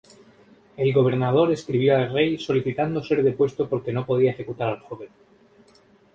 El gobernador escribió al rey solicitando ser depuesto porque no podía ejecutar al joven.